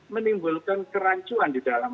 menimbulkan kerancuan di dalam